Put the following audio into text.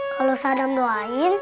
kalau sadam doain